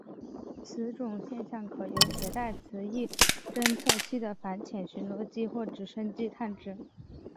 此种现象可由携带磁异侦测器的反潜巡逻机或直升机探知。